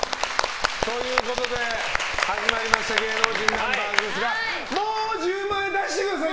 始まりました芸能人ナンバーズですがもう１０万円出してください！